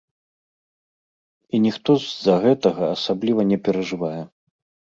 І ніхто з-за гэтага асабліва не перажывае.